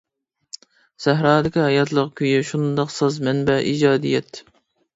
سەھرادىكى ھاياتلىق-كۈيى شۇنداق ساز. مەنبە: ئىجادىيەت.